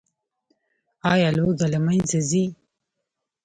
آیا لوږه له منځه ځي؟